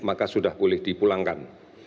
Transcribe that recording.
maka sudah boleh dipulangkan